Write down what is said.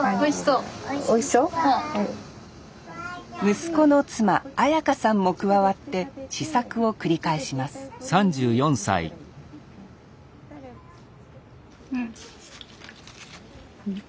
息子の妻彩花さんも加わって試作を繰り返しますうん。